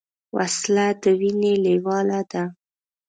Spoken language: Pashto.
وسله د وینې لیواله ده